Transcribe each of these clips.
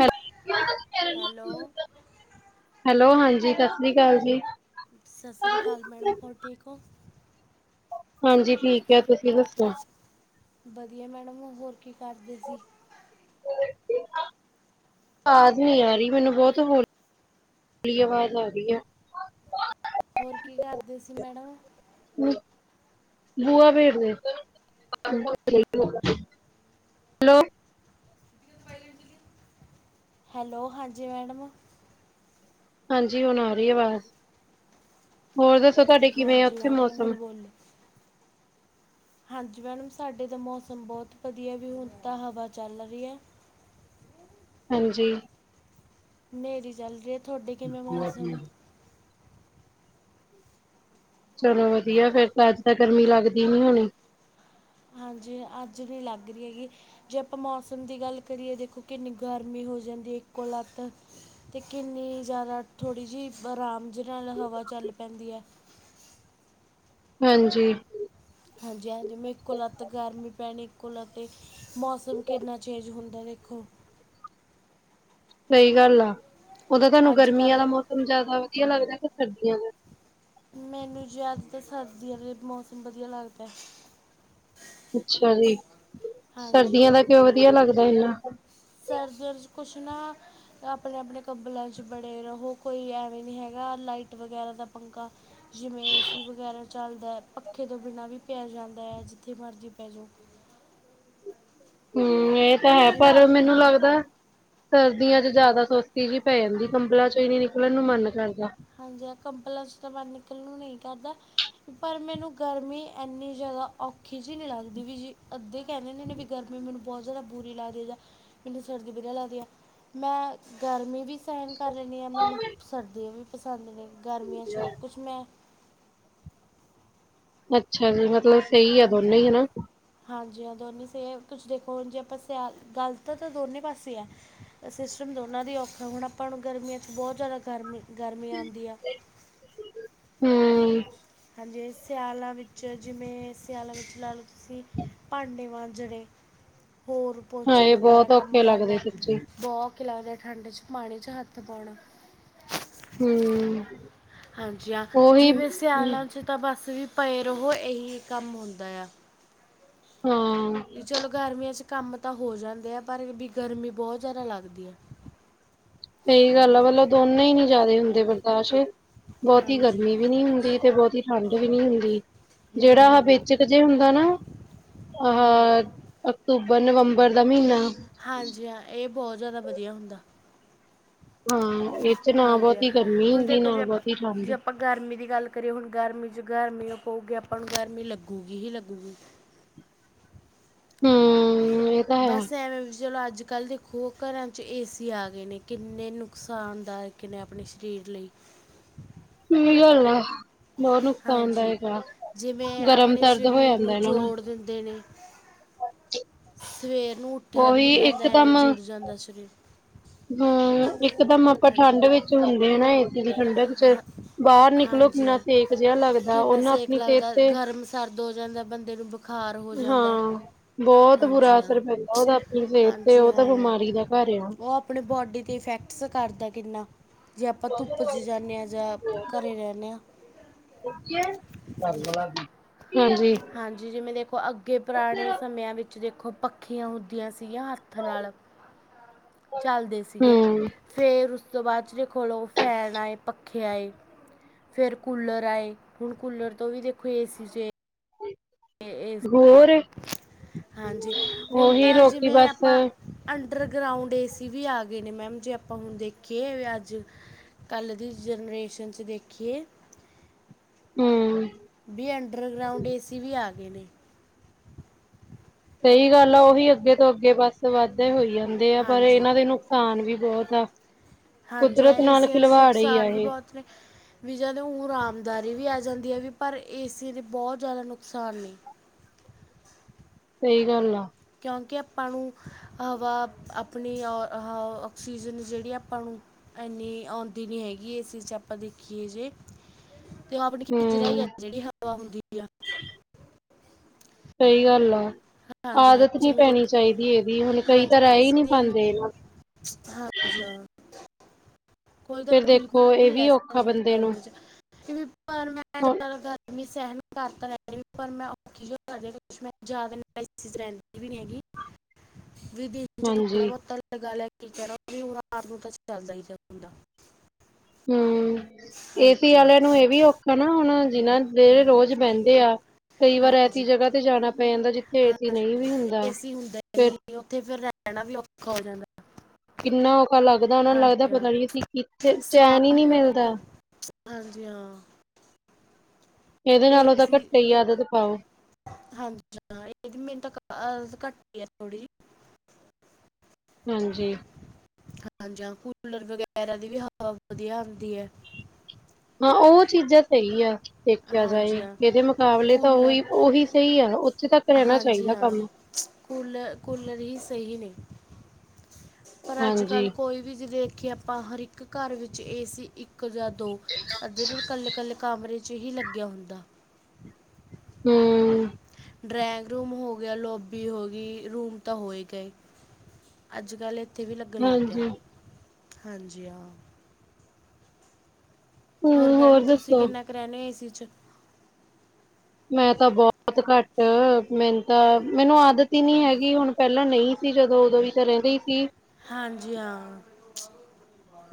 ਹੈ hello hello ਹਾਂਜੀ ਸਤਿ ਸ੍ਰੀ ਅਕਾਲ ਜੀ ਸਤਿ ਸ਼੍ਰੀ ਅਕਾਲ ਮੈਡਮ ਹੋਰ ਠੀਕ ਹੋ ਹਾਂਜੀ ਠੀਕ ਆ ਤੁਸੀਂ ਦੱਸੋ ਵਧੀਆ ਮੈਡਮ ਹੋਰ ਕੀ ਕਰਦੇ ਸੀ? ਵੱਡੇ ਆਵਾਜ਼ ਨਹੀਂ ਆ ਰਹੀ ਮੈਨੂੰ ਬਹੁਤ ਹੋਲੀ ਹੌਲੀ ਆਵਾਜ਼ ਆ ਰਹੀ ਆ। ਹੋਰ ਕੀ ਕਰਦੇ ਸੀ ਮੈਡਮ? ਬੂਆ ਭੇਡਦੇ ਹੈਲੋ ਹੈਲੋ ਹਾਂਜੀ ਮੈਡਮ ਹਾਂਜੀ ਹੁਣ ਆ ਰਹੀ ਆਵਾਜ਼ ਹੋਰ ਦੱਸ ਹਾਂਜੀ ਮੈਡਮ ਹੁਣ ਬੋਲੇ ਹਾਂਜੀ ਮੈਡਮ ਸਾਡੇ ਤਾਂ ਮੌਸਮ ਬਹੁਤ ਵਧੀਆ ਵੀ ਹੁਣ ਤਾਂ ਹਵਾ ਚੱਲ ਰਹੀ ਹੈ। ਹਾਂਜੀ ਹਨੇਰੀ ਚੱਲ ਰਹੀ ਤੁਹਾਡੇ ਕਿਵੇਂ ਮੌਸਮ ਆ ਚਲੋ ਵਧੀਆ ਫਿਰ ਤਾਂ ਅੱਜ ਤਾਂ ਗਰਮੀ ਲੱਗਦੀ ਨੀ ਹੋਣੀ। ਹਾਂਜੀ ਅੱਜ ਵੀ ਲੱਗ ਰਹੀ ਹੈਗੀ ਜੇ ਆਪਾਂ ਮੌਸਮ ਦੀ ਗੱਲ ਕਰੀਏ ਦੇਖੋ ਕਿੰਨੀ ਗਰਮੀ ਜਾਂਦੀ ਇੱਕੋ ਲੱਤ ਤੇ ਕਿੰਨੀ ਜ਼ਿਆਦਾ ਥੋੜੀ ਜਿਹੀ ਆਰਾਮ ਜ ਨਾਲ ਹਵਾ ਚੱਲ ਪੈਂਦੀ ਹੈ ਹਾਂਜੀ ਹਾਂਜੀ ਹਾਂਜੀ ਮ ਇੱਕ ਲਲਾਤ ਗਰਮੀ ਪੈਣੀ ਇੱਕ ਵਲਾਤ ਮੌਸਮ ਕਿੰਨਾ ਚੇਂਜ ਹੁੰਦਾ ਰਿੱਖੋ ਸਹੀ ਗੱਲ ਆ ਉਹਦਾ ਤੁਹਾਨੂੰ ਅੱਜ ਗਰਮੀਆਂ ਕੱਲ੍ਹ ਦਾ ਮੌਸਮ ਜਿਆਦਾ ਵਧੀਆ ਲੱਗਦਾ ਸਰਦੀਆਂ ਦਾ ਮੈਨੂੰ ਜਿਆਦਾਤਰ ਸਰਦੀਆਂ ਦੇ ਮੌਸਮ ਵਧੀਆ ਲੱਗਦਾ ਹੈ ਅੱਛਾ ਜੀ ਸਰਦੀਆਂ ਦਾ ਕਿਉਂ ਵਧੀਆ ਲੱਗਦਾ ਇਨਾ ਸਰਜਰ ਕੁਛ ਨਾ ਆਪਣੇ ਆਪਣੇ ਕੰਬਲਾਂ ਚ ਬੜੇ ਰਹੋ ਕੋਈ ਐਵੇਂ ਨੀ ਹੈਗਾ ਲਾਈਟ ਵਗੈਰਾ ਦਾ ਪੰਖਾ ਜਿਵੇਂ ਏਸੀ ਵਗੈਰਾ ਚੱਲਦਾ ਪੱਖੇ ਤੋਂ ਬਿਨਾਂ ਵੀ ਪਿਆ ਜਾਂਦਾ ਜਾਂਦਾ ਹੈ ਜਿੱਥੇ ਮਰਜ਼ੀ ਪੈ ਜਾਓ [inaudible] ਹਮ ਇਹ ਤਾਂ ਅਤੇ ਹੈ ਪਰ ਜਿਵੇਂ ਮੈਨੂੰ ਲੱਗਦਾ ਸਰਦੀਆਂ ਚ ਜ਼ਿਆਦਾ ਸਸਤੀ ਜਿਹੀ ਪੈ ਜਾਂਦੀ ਕੰਬਲਾਂ ਚੋਂ ਹੀ ਨੀ ਨਿਕਣ ਨੂੰ ਮਨ ਕਰਦਾ ਹਾਂਜੀ ਆ ਕੰਬਲਾਂ ਚ ਤਾਂ ਬਾਹਰ ਨਿਕਲਣ ਨਹੀਂ ਕਰਦਾ ਪਰ ਮੈਨੂੰ ਗਰਮੀ ਇੰਨੀ ਜ਼ਿਆਦਾ ਔਖੀ ' ਜੀ ਨਹੀਂ ਲੱਗਦੀ ਵੀ ਜੀ ਅੱਧੇ ਕਹਿ ਦਿੰਦੇ ਨੇ ਵੀ ਗਰਮੀ ਮੈਨੂੰ ਬਹੁਤ ਜਾਦਾ ਬੁਰੀ ਲੱਗਦੀ ਮੈਨੂੰ ਸਰਦੀ ਲੱਗਦੀ। ਕਰ ਲੈਂਦੀ ਹਾਂ ਮੈਨੂੰ ਸਰਦੀਆਂ ਵੀ ਪਸੰਦ ਨੇ ਗਰਮੀਆਂ 'ਚ ਕੁਛ ਮੈਂ ਅੱਛਾ ਜੀ ਮਤਲਬ ਸਹੀ ਆ ਦੋਨੋਂ ਹੀ ਹੈ ਨਾ ਜਿਆਦਾ ਨਹੀਂ ਸੇਮ ਤੁਸੀਂ ਦੇਖੋੁ ਜੇ ਆਪਾਂ ਸ ਗਲਤ ਤਾਂ ਦੋਨੇ ਪਾਸੇ ਆ ਸਿਸਟਮ ਦੋਨੋ ਉਹਨਾਂ ਦੀ ਔਖਾ ਹੁਣ ਆਪਾਂ ਨੂੰ ਗਰਮੀਆਂ ' ਚ ਬਹੁਤ ਜ਼ਿਆਦਾ ਗਰਮੀ ਗਰਮੀ ਆਉਂਦੀ ਆ। ਹੂੰ ਹਾਂਜੀ ਸਿਆਲਾਂ ਵਿੱਚ ਜਿਵੇਂ ਸਿਆਲਾਂ ਵਿੱਚ ਲਾ ਲਓ ਤੁਸੀਂ ਭਾਂਡੇ ਮਾਂਜਣ ਜਿਹੜੇ ਹੋਰ ਪੋਚੇ ਹਾਏ ਵਗੈਰਾ ਬਹੁਤ ਕੰਮ ਔਖੇ ਲੱਗਦੇ ਕਰਨਾ ਸੱਚੀ ਬਹੁਕ ਕਿਲਾਦੇ ਠੰਡ ਪਾਣੀ ਹੱਥ ਪਾਉਣਾ ਹਮ ਹਾਂਜੀ ਹਾਂ ਜਿਵੇਂ ਸਿਆਣ ਲਾਚ ਤਾਂ ਬਸ ਵੀ ਭਏ ਰੋ ਇਹੀ ਕੰਮ ਹੁੰਦਾ ਆ ਹਾਂ ਵੀ ਚਲੋ ਗਰਮੀਆਂ ਚ ਕੰਮ ਤਾਂ ਹੋ ਜਾਂਦੇ ਆ ਪਰ ਵੀ ਗਰਮੀ ਬਹੁਤ ਜ਼ਿਆਦਾ ਲੱਗਦੀ ਹੈ ਸਹੀ ਗੱਲ ਆ ਪਤਲਬ ਦੋਨੇ ਹੀ ਨੀ ਜਿਆਦਾ ਹੁੰਦੇ ਬਰਦਾਸ਼ਤ ਬਹੁਤੀ ਹਾਂਜੀ ਗਰਮੀ ਵੀ ਨਹੀਂੀ ਹੁੰਦੀ ਤੇ ਬਹੁਤੀ ਠੰਢ ਵੀ ਨਹੀਂੀ ਹੁੰਦੀ ਜਿਹੜਾ ਆਹ ਹੂੰ ਵੇਚਕ ਜੇ ਹੁੰਦਾ ਨਾ ਹੂੰ ਆਹ ਅਕਤੂਬਰ ਰ ਨਵੰਬਰ ਦਾ ਮਹੀਨਾ ਹਾਂਜੀ ਹਾਂ ਇਹ ਬਹੁਤ ਜ਼ਿਆਦਾ ਵਧੀਆ ਹੁੰਦਾ ਹਾਂ ਇਹ ਚ ਨਾ ਹਾਂਜੀ ਬਹੁਤੀ ਗਰਮੀ ਹੁਣ ਹੁੰਦੀ ਦੇਖੋ ਨਾ ਜੇ ਆਪਾਂ ਬਹੁਤੀ ਠੰਡ ਜੇ ਆਪਾਂ ਗਰਮੀ ਦੀ ਗੱਲ ਕਰੀਏ ਹੁਣ ਗਰਮੀ ਗਰਮੀ ਉਹ ਪਊਗੀ ਆਪਾਂ ਨੂੰ ਗਰਮੀ ਲੱਗਗੀ ਹੀ ਲੱਗਗੀ ਹੂੰ ਇਹ ਤਾਂ ਹੈ। ਬਸ ਐਵੇਂ ਚਲੋ ਅੱਜ ਕੱਲ੍ਹ ਦੇਖੋ ਘਰਾਂ ਚ ਏਸੀ ਆ ਗਏ ਨੇ ਕਿੰਨੇ ਨੁਕਸਾਨਦਾਇਕ ਨੇ ਆਪਣੇ ਸਰੀਰ ਲਈ ਕੀ ਗੱਲ ਆ ਬਹੁਤ ਹਾਂਜੀ ਨੁਕਸਾਨਦਾਇਕ ਆ। ਜਿਵੇਂ ਗਰਮ ਆਪਣੇ ਸਰਦ ਹੋ ਸਰੀਰ ਜਾਂਦਾ ਨੂੰ ਇਹਨਾਂ ਜੋੜ ਦਿੰਦੇ ਨੇ ਸਵੇਰ ਨੂੰ ਉੱਠਿਆ ਵੀ ਉਹੀ ਨਹੀਂੀ ਜਾਂਦਾ ਐਵੇਂ ਜੁੜ ਜਾਂਦਾ ਸਰੀਰ ਹਮ ਇਕਦਮ ਆਪਾਂ ਹਾਂਜੀ ਠੰਡ ਵਿੱਚ ਹੁੰਦੇ ਹ ਨਾ ਇੇ ਠੰਡਕ ਚ ਹਾਂ ਬਾਹਰ ਨਿਕਲੋ ਹਾਂਜੀ ਕਿੰਨਾ ਹਾਂ ਸੇਕ ਜਿਹਾ ਲੱਗਦਾ ਕਿੰਨਾ ਉਹਨਾਂ ਸੇਕ ਆਪਣੀ ਸਿਹਤ ਲੱਗਦਾ ਤੇ ਗਰਮ ਸਰਦ ਹੋ ਜਾਂਦਾ ਬੰਦੇ ਨੂੰ ਬੁਖਾਰ ਹੋ ਹਾਂ ਜਾਂਦਾ ਬਹੁਤ ਬੁਰਾ ਹਾਂਜੀ ਹਾਂ ਅਸਰ ਪੈਂਦਾ ਉਹਦਾ ਆਪਣੀ ਸਿਹਤ ਤੇ ਹਾਂਜੀ ਉਹ ਤਾਂ ਹਾਂ ਬਿਮਾਰੀ ਦਾ ਘਰ ਆ ਉਹ ਆਪਣੇ ਬੋਡੀ ਤੇ ਇਫੈਕਟਸ ਕਰਦਾ ਕਿੰਨਾ ਜੇ ਆਪਾਂ ਧੁੱਪ 'ਚ ਜਾਂਦੇ ਹਾਂ ਜਾਂ ਘਰ ਜਾਂਦੇ ਹਾਂ ਡਾਕੀਆ ਏ, ਕਰਮੂਲਾ ਦੀ ਹਾਂਜੀ, ਜਿਵੇਂ ਦੇਖੋ ਅੱਗੇ ਪੁਰਾਣੇ ਸਮਿਆਂ ਵਿੱ ਦੇਖੋ ਪੱਖੀਆਂ ਹੁੰਦੀਆਂ ਸੀਗੀਆਂ ਹੱਥ ਨਾਲ ਚੱਲਦੇ ਸੀਗੇ, ਹੂੰ ਫੇਰ ਉਸ ਤੋਂ ਬਾਅਦ ਚ ਦੇਖੋ ਲਓ ਫੈਨ ਆਏ। ਪੱਖੇ ਆਏ, ਫੇਰ ਕੂਲਰ ਆਏ, ਹੁਣ ਕੂਲਰ ਤੋਂ ਵੀ ਦੇਖੋ ਏ ਸੀ ਚੇਂ ਏ ਏਸ, ਹੋਰ ਹਾਂਜੀ, ਹੁਣ ਉਹੀ ਤਾਂ ਲੋਕੀ ਜਿਵੇਂ ਬਸ ਆਪਾਂ ਅੰ ਅੰਡਰਗਰਾਊਂਡ ਏ ਸੀ ਵੀ ਆ ਗਏ ਨੇ ਮੈਮ, ਜੇ ਆਪਾਂ ਹੁਣ ਦੇਖੀਏ ਅੱਜ ਕੱਲ੍ਹ ਦੀ ਜਨਰੇਸ਼ਨ ਚ ਦੇਖਿਏ ਹਮ। ਬੀ ਅੰਡਰਗਰਾਊਂਡ ਏ ਸੀ ਵੀ ਆ ਗਏ ਨੇ। ਸਹੀ ਗੱਲ ਆ, ਉਹੀ ਅੱਗੇ ਤੋਂ ਅੱਗੇ ਬਸ ਵੱਧਦੇ ਹੋਈ ਜਾਂਦੇ ਆ, ਪਰ ਹਾਂਜੀ ਇਹਨਾਂ ਦੇ ਨੁਕਸਾਨ ਵੀ ਬਹੁਤ ਹਾਂਜੀ ਕੁਦਰਤ ਨਾਲ ਏਸੀਆਂ ਦੇ ਤੇ ਖਿਲਵਾੜ ਪਰ ਹੀ ਆ ਇਹ ਏ ਸੀ ਦੀ ਬਹੁਤ ਜਿਆਦਾ ਨੁਕਸਾਨ ਨੇ ਸਹੀ ਗੱਲ ਤਾਂ ਕਿ ਆਪਾਂ ਨੂੰ ਹਵਾ ਆਪਣੀ ਔ ਹ ਆਕਸੀਜਨ ਜਿਹੜੀ ਆਪਾਂ ਨੂੰ ਇੰਨੀ ਆਉਂਦੀ ਨਹੀਂ ਹੈਗੀ ਇਸ ਚੀਜ਼ 'ਚ ਆਪਾਂ ਦੇਖੀਏ ਜੇ [inaudible] ਤੇ ਉਹ ਆਪਣੀ ਖਿਚਰਾ ਹੀ ਹੂੰ ਹੈ ਜਿਹੜੀ ਹਵਾ ਹੁੰਦੀ ਆ ਸਹੀ ਗੱਲ ਆ ਹਾਂਜੀ ਹਾਂ ਆਦਤ ਨਹੀਂੀ ਜਿਵੇਂ ਦੇ ਪੈਣੀ ਚਾਹੀਦੀ ਇਹਦੀ ਹੁਣ ਕਈ ਤਾਂ ਹਾਂਜੀ ਏ ਰਹਿ ਹੀ ਸੀ ਨਹੀਂੀ ਦੇ ਇੰਨੀ ਪਾਉਂਦੇ ਇਹ ਹਾਂਜੀ ਹ ਕੋਈ ਤਾਂ ਫਿਰ ਬਿਲਕੁਲ ਦੇਖੋ ਵੀ ਇਹ ਨੀ ਰਹਿ ਸਕ ਔਖਾ ਗਰਮੀ ਚ ਬੰਦੇ ਪਰ ਨੂੰ ਮੈਂ ਗਰਮੀ [unintelligible] ਹੁਣ [unintelligible] ਚ ਰਹਿੰਦੀ ਵੀ ਨੀ ਹੈਗੀ, ਵੀ ਦਿਨ ਚ ਥੋੜਾ ਹਾਂਜੀ ਬਹੁਤਾ [unintelligible] ਕੀ ਕਰਾ ਵੀਰਵਾਰ ਨੂੰ ਤਾਂ ਚੱਲਦਾ ਹੀ ਚਲਦਾ। ਹਮ, ਏ ਸੀ ਆਲਿਆਂ ਨੂੰ ਇਹ ਵੀ ਔਖਾ ਨਾ ਹੁਣ ਜਿਨਾਂ ਦੇ ਹਾਂਜੀ, ਰੋਜ਼ ਬਹਿੰਦੇ ਆ ਕਈ ਵਾਰ ਐਸੀ ਹਾਂਜੀ ਜਗ੍ਹਾ ਤੇ ਜਾਣਾ ਪੈ ਜਾਂਦਾ, ਜਿੱਥੇ ਏ ਸੀ ਨਹੀਂ ਵੀ ਹਾਂਜੀ ਹੁੰਦਾ, ਏਸੀ ਹੁੰਦਾ ਹੀ ਫਿਰ ਨਹੀਂ ਉੱਥੇ ਫਿਰ ਰਹਿਣਾ ਵੀ ਔਖਾ ਹੋ ਜਾਂਦਾ ਕਿੰਨਾ ਔਖਾ ਲੱਗਦਾ, ਉਹਨਾ ਨੂੰ ਲੱਗਦਾ ਹਾਂਜੀ ਹਾਂ ਪਤਾ ਨੀ ਅਸੀ ਕਿੱਥੇ, ਸਾਹ ਚੈਨ ਹੀ ਵੀ ਨਹੀਂ ਘੁੱਟਣ ਮਿਲਦਾ। ਲੱਗ ਹਾਂਜੀ ਹਾਂ। ਇਹਦੇ ਨਾਲੋ ਤਾਂ ਏਸੀ ਘੱਟੇ ਹੀ ਆਦਤ ਪਾਓ। ਹਾਂਜੀ ਹਾਂ, ਇਹਦੀ ਮਿਹਨਤ ਅਹ ਘੱਟ ਆ ਥੋੜੀ ਜਿ ਹਾਂਜੀ। ਹਾਂ, ਜਾਂ ਕੂਲਰ ਵਗੈਰਾ ਦੀ ਵੀ ਹਵਾ ਵਧੀਆ ਆਂਦੀ ਹੈ। ਹਾਂ ਉਹ ਚੀਜ਼ਾਂ ਸਹੀ ਆ ਦੇਖਿਆ ਜਾਏ ਹਾਂਜੀ ਹਾਂ ਇਹਦੇ ਮੁਕਾਬਲੇ ਤਾਂ ਕੂਲਰ ਉਹੀ ਉਹੀ ਸਹੀ ਆ ਉੱਥੇ ਤੱਕ ਰਹਿਣਾ ਹਾਂਜੀ ਚਾਹੀਦਾ ਹਾਂ ਕੰਮ। ਕੂਲਰ ਕੂਲਰ ਹੀ ਸਹੀ ਨੇ ਪਰ ਅੱਜ ਹਾਂਜੀ ਕੱਲ੍ਹ ਕੋਈ ਵੀ ਜੇ ਦੇਖੀਏ ਆਪਾਂ ਹਰ ਇੱਕ ਘਰ ਵਿੱਚ ਏ ਸੀ ਇੱਕ ਜਾਂ ਦੋ ਅੱਧੇ ਦਿਨ ਕੱਲੇ ਕੱਲੇ ਕਮਰੇ ' ਹੀ ਲੱਗਿਆ ਹੁੰਦਾ ਹੂੰ ਡਰਾਇੰਗ ਰੂਮ ਹੋ ਗਿਆ ਲੋਬੀ ਹੋ ਗਈ ਰੂਮ ਤਾਂ ਹੋ ਹੀ ਗਏ ਅੱਜ ਕੱਲ੍ਹ ਉੱਥੇ ਵੀ ਲੱਗਣ ਲੱਗ ਗਿਆ ਹਾਂਜੀ ਹਾਂਜੀ ਹਾਂ ਹੋਰ ਹੂੰ ਮੈਡਮ ਤੁਸੀਂ ਦੱਸੋ ਕਿੰਨਾ ਕੁ ਰਹਿਣੇ ਹੋ ਇਸਏ ਚ ਮੈਂ ਤਾਂ ਬਹੁਤ ਘੱਟ ਮੈਨੂੰ ਤਾਂ ਮੈਨੂੰ ਆਦਤ ਹੀ ਨੀ ਹੈਗੀ ਹੁਣ ਪਹਿਲਾਂ ਨਹੀਂ ਸੀ ਜਦੋਂ ਉਦੋਂ ਵੀ ਤਾਂ ਰਹਿੰਦੇ ਹੀ ਸੀ ਹਾਂਜੀ ਹਾਂ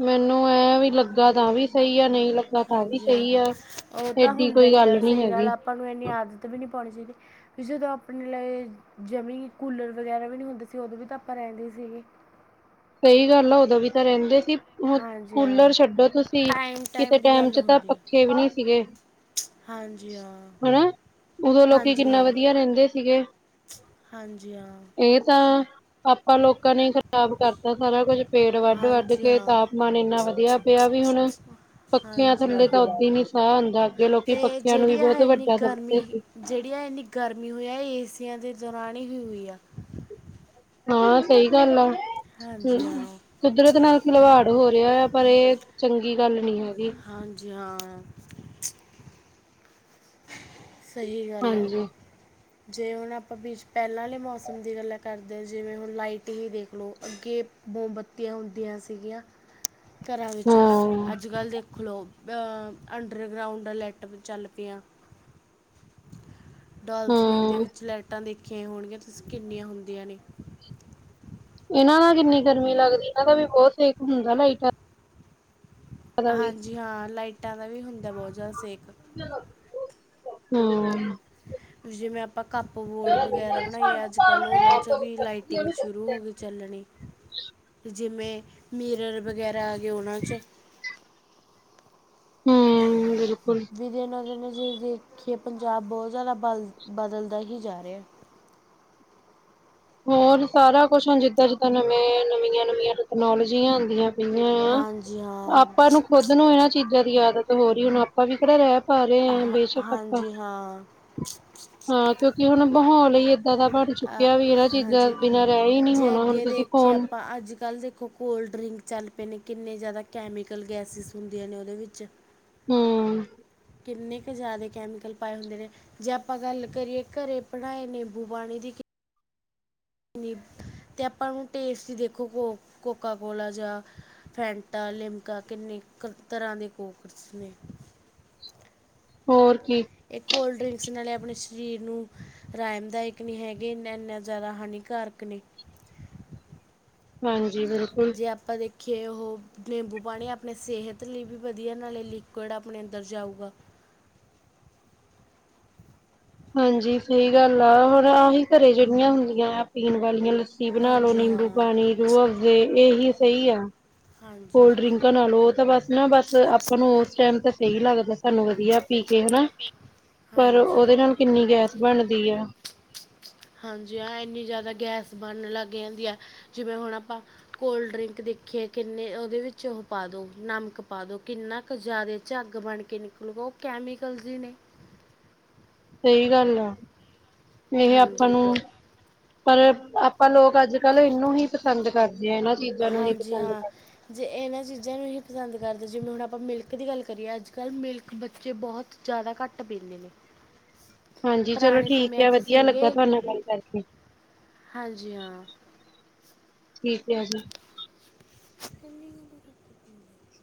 ਮੈਨੂੰ ਇਹ ਵੀ ਲੱਗਾ ਤਾਂ ਵੀ ਸਹੀ ਹੈ ਨਹੀਂ ਲੱਗਾ ਤਾਂ ਵੀ ਹਾਂਜੀ ਸਹੀ ਆ ਉਹ ਤਾਂ ਏਡੀ ਹੁੰਦਾ ਕੋਈ ਹੀ ਆ ਗੱਲ ਨੀ ਸਹੀ ਗੱਲ ਹੈਗੀ ਆਪਾਂ ਨੂੰ ਇਨੀ ਆਦਤ ਵੀ ਨਹੀਂੀ ਪਾਉਣੀ ਚਾਹੀਦੀ ਵੀ ਜਦੋਂ ਆਪਣੇ ਲਈ ਜਮੀ ਕੂਲਰ ਵਗੈਰਾ ਵੀ ਨਹੀਂ ਹੁੰਦੇ ਸੀ ਉਦੋਂ ਵੀ ਤਾਂ ਆਪਾਂ ਰਹਿੰਦੇ ਸੀਗੇ। [inaudible] ਸਹੀ ਗੱਲ ਆ ਉਦੋਂ ਵੀ ਤਾਂ ਰਹਿੰਦੇ ਸੀ ਹਾਂਜੀ ਹਾਂ ਕੂਲਰ ਛੱਡੋ ਤੁਸੀਂ ਟਾਈਮ ਕਿਸੇ ਦੀ ਟਾਈਮ ਗੱਲ ਚ ਤਾਂ ਹੁੰਦੀ ਹੈ ਪੱਖੇ ਵੀ ਨਹੀਂ ਸੀਗੇ ਹਾਂਜੀ ਹਾਂ ਹਨਾ ਉਦੋਂ ਲੋਕੀ ਹਾਂਜੀ ਕਿੰਨਾ ਹਾਂ ਵਧੀਆ ਰਹਿੰਦੇ ਸੀਗੇ ਹਾਂਜੀ ਹਾਂ ਇਹ ਤਾਂ ਆਪਾਂ ਲੋਕਾਂ ਨੇ ਖ਼ਰਾਬ ਕਰਤਾ ਸਾਰਾ ਕੁਝ ਪੇੜ ਵੱਢ ਵੱਢ ਹਾਂਜੀ ਕੇ ਹਾਂ ਤਾਪਮਾਨ ਇੰਨਾ ਵਧੀਆ ਪਿਆ ਵੀ ਹੁਣ ਪੱਖਿਆਂ ਹਾਂਜੀ ਥੱਲੇ ਹਾਂ ਤਾਂ ਉਓਦਾਂ ਹੀ ਨੀ ਸਾਹ ਹੁੰਦਾ ਅੱਗੇ ਲੋਕੀ ਅਤੇ ਪੱਖਿਆਂ ਨੂੰ ਵੀ ਜਿਹੜੀ ਆਹ ਬਹੁਤ ਇੰਨੀ ਵੱਡਾ ਸਮਝਦੇ ਗਰਮੀ ਸੀ ਜਿਹੜੀ ਇੰਨੀ ਗਰਮੀ ਹੋਇਆ ਏਸੀਆਂ ਦੇ ਦੌਰਾਨ ਹੀ ਹੋ ਹੋਈ ਆ ਹਾਂ ਸਹੀ ਗੱਲ ਆ ਹਾਂਜੀ ਹਮ ਹਾਂ ਕੁਦਰਤ ਨਾਲ ਖਿਲਵਾੜ ਹੋ ਰਿਹਾ ਆ ਪਰ ਇਹ ਚੰਗੀ ਗੱਲ ਨਹੀਂੀ ਹੈਗੀ ਹਾਂ ਜੀ ਹਾਂ। ਸਹੀ ਗੱਲ ਹੈ। ਹਾਂਜੀ ਜੇ ਹੁਣ ਆਪਾਂ ਵਿੱਚ ਪਹਿਲਾਂ ਵਾਲੇ ਮੌਸਮ ਦੀ ਗੱਲਾਂ ਕਰਦੇ ਜਿਵੇਂ ਹੁਣ ਲਾਈਟ ਹੀ ਦੇਖ ਲੋ ਅੱਗੇ ਮੋਮਬੱਤੀਆਂ ਹੁੰਦੀਆ ਸਿਗਿਆ ਘਰਾਂ ਵਿੱਚ ਹਾਂ ਅੱਜ-ਕੱਲ ਦੇ ਅੰਡਰਗਰਾਾਊਂਡ ਲਾਈਟ ਵੀ ਚੱਲ ਪਈਆ। [inaudible] ਥਨਿੰਗ ਦੇ ਵਿੱਚ ਲਾਈਟਾ ਦੇਖੀਆ ਹੀ ਹੋਣਗੀਆ ਤੁਸੀਂ ਕਿੰਨੀਆ ਹੁੰਦੀਆ ਨੇ ਇਹਨਾਂ ਨਾਲ ਕਿੰਨੀ ਗਰਮੀ ਲੱਗਦੀ ਇਹਨਾਂ ਦਾ ਵੀ ਬਹੁਤ ਸੇਕ ਹੁੰਦਾ ਲਾਈਟ ਹਾਂ ਜੀ ਹਾਂ ਲਾਈਟਾ ਦਾ ਵੀ ਹੁੰਦਾ ਬਹੁਤ ਜਿਆਦਾ ਸੇਕ ਹਮ ਜਿਵੇਂ ਆਪਾ ਕੱਪ ਬੋਰਡ ਵਗੈਰਾ ਬਣਾਈਏ ਅੱਜ ਕੱਲ ਉਹਨਾਂ ਚ ਵੀ ਲਾਈਟਿੰਗ ਸ਼ੁਰੂ ਹੋਗੀ ਚੱਲਣੀ ਜਿਵੇ ਮਿਰੇਰ ਵਗੈਰਾ ਆਗੇ ਉਹਨਾ 'ਚ ਹਮ ਵਿ ਦਿਨੋ ਦਿਨੇ ਜੇ ਦੇਖੀਏ ਪੰਜਾਬ ਬਹੁਤ ਜਿਆਦਾ ਬਲ ਬਦਲਦਾ ਹੀ ਜਾ ਰਿਹਾ ਹੋਰ ਸਾਰਾ ਕੁਛ ਹੁਣ ਜਿਦਾ- ਜਿੱਦਾ ਨਵੇਂ ਆਏ ਆ ਨਵੀਆਂ- ਨਵੀਆਂ ਤਕਨਾਲੋਜੀਆਂ ਆਉਂਦੀਆ ਹਾਂਜੀ ਹਾਂ ਆਪਾਂ ਨੂੰ ਖੁੱਦ ਨੂੰ ਇਹਨਾ ਚੀਜਾਂ ਦੀ ਆਦਤ ਹੋ ਰਹੀ ਹੁਣ ਆਪਾਂ ਵੀ ਕਿਹੜਾ ਰਹਿ ਸਾਰੇ ਆ ਹ ਬੇਸ਼ੱਕ ਆਪਾ ਹਾਂਜੀ ਹਾਂ ਹਾਂ ਕਿਉਂਕਿ ਹੁਣ ਮਾਹੌਲ ਹੀ ਏਦਾ ਦਾ ਬਣ ਅ ਚੁੱਕਿਆ ਵੀ ਇਹ ਹਾਂਜੀ ਜੇ ਅੱਗੇ ਦੇਖੀਏ ਫੋਨ ਆਪਾਂ ਅੱਜ ਕੱਲ ਦੇਖੋ ਕੋਲਡ ਡਰਿੰਕ ਚੱਲ ਪਏ ਨੇ ਕਿੰਨੇ ਜਿਆਦਾ ਕੈਮੀਕਲ ਗੈਸਿਸ ਹੁੰਦੀਆ ਨੇ ਉਹਦੇ ਵਿੱਚ ਹਮ ਕਿੰਨੇ ਕ ਜਿਆਦਾ ਕੈਮੀਕਲ ਪਾਏ ਹੁੰਦੇ ਨੇ ਜੇ ਆਪਾਂ ਗੱਲ ਕਰੀਏ ਘਰੇ ਬਣਾਏ ਨਿੰਬੂ ਪਾਣੀ ਦੀ ਨਿਬਤ ਤੇ ਆਪਾਂ ਨੂੰ ਟੈਸਈ ਦੇਖੋ ਕੋ ਕੋਕਾ ਕੋਲਾ ਜਾਂ ਫੈਂਟਾ ਲਿਮਕਾ ਕਿੰਨੇ ਹਰ ਤਰ੍ਹਾਂ ਦੇ ਕੋਕਸ ਨੇ [inaudible] ਹੋਰ ਕੀ। ਇਹ ਕੋਲਡ ਡਰਿੰਕਸ ਨਾਲੇ ਆਪਣੇ ਸ਼ਰੀਰ ਨੂੰ ਆਰਾਮਦਾਇਕ ਨੀ ਹੈਗੇ ਇੰਨ ਇੰਨੇ ਜਿਆਦਾ ਹਾਨੀਕਾਰਕ ਨੇ- ਇ- ਹਾਂਜੀ ਬਿਲਕੁੱਲ- ਕਿ ਉਹ ਨਿੰਬੂ ਪਾਣੀ ਆਪਣੇ ਸਿਹਤ ਲਈ ਵੀ ਵਧੀਆ ਨਾਲੇ ਲਿਕੁਇਡ ਆਪਣੇ ਅੰਦਰ ਜਾਉਗਾ। [inaudible] ਹਾਂਜੀ ਸਹੀ ਗੱਲ ਆ ਹੁਣ ਆਹੀ ਘਰੇ ਜਿਹੜੀਆ ਹੁੰਦੀਆ ਆ ਪੀਣ ਵਾਲੀਆ ਲੱ ਤੁਸੀ ਬਣਾ ਲੋ ਹਾਂਜੀ ਹਾਂ ਨਿੰਬੂ ਪਾਣੀ ਰੁਅਵਜ਼ੇ ਇਹੀ ਸਹੀ ਆ। ਹਾਂਜੀ ਕੋਲਡ ਡਰਿੰਕਾਂ ਨਾਲੋ ਉਹ ਤਾਂ ਬਸ ਨਾ ਬਸ ਆਪਾਂ ਨੂੰ ਉਸ ਟਾਈਮ ਤੱਕ- ਸਹੀ ਲੱਗਦਾ ਸਾਨੂੰ ਵਧੀਆ ਪੀਕੇ ਹਨਾ ਪਰ ਹਾਂਜੀ ਉਹਦੇ ਨਾਲ- ਕਿੰਨੀ ਗੈਸ ਬਣਦੀ ਆ- ਹਾਂਜੀ ਹਾਂ ਇੰਨੀ ਜਿਆਦਾ ਗੈਸ ਬਣਨ ਲੱਗ ਜਾਂਦੀ ਹੈ ਜਿਵੇ ਹੁਣ ਆਪਾਂ ਕੋਲਡ ਡਰਿੰਕ ਦੀ- ਦੇਖੇ ਕਿੰਨੇ ਉਹਦੇ ਵਿੱਚ ਉਹ ਪਾ ਦੋ ਨਮਕ ਪਾ ਦੋ ਕਿੰਨਾ ਕ ਜਿਆਦੇ ਝੱਗ ਬਣ ਕੇ ਨਿਕਲੂਗੀ। ਵੋ ਕੈਮੀਕਲਸ ਹੀ ਨੇ- ਸਹੀ ਗੱਲ ਆ ਇਹ ਆਪਾਂ ਹਾਂਜੀ ਨੂੰ ਪਰ ਆਪਾਂ ਲੋਕ ਅੱਜ ਕੱਲ ਇਹਨੂੰ ਹੀ ਪਸੰਦ ਕਰਦੇ ਆ ਇਹਨਾਂ ਚੀਜ਼ਾਂ ਨੂੰ ਨੀ ਹਾਂਜੀ ਪਸੰਦ ਹਾਂ ਕਰਦੇ ਜੇ ਇਹਨਾ ਚੀਜਾਂ ਨੂੰ ਹੀ ਪਸੰਦ ਕਰਦੇ ਜਿਵੇ ਹੁਣ ਆਪਾਂ ਮਿਲਕ ਦੀ ਗੱਲ ਕਰੀਏ ਅੱਜ ਕੱਲ ਮਿਲਕ ਬੱਚੇ ਬਹੁਤ ਜਿਆਦਾ ਘੱਟ ਪੀਂਦੇ ਨੇ- ਹਾਂਜੀ ਚਲੋ ਪੁਰਾਣੇ ਠੀਕ ਸਮਿਆਂ ਹੈ 'ਚ ਵਧੀਆ ਲੱਗਾ ਤੁਹਾ ਨਾਲ ਗੱਲ ਕਰਕੇ ਹਾਂ ਜੀ ਹਾਂ ਠੀਕ ਹੈ ਜੀ। [unintelligible]